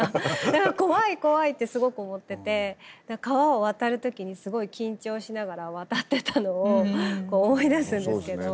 だから怖い怖いってすごく思ってて川を渡る時にすごい緊張しながら渡っていたのをこう思い出すんですけど。